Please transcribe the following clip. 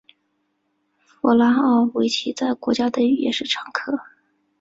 弗拉奥维奇在国家队也是常客。